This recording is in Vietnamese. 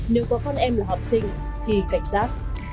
nếu có con em là học sinh thì cảnh giác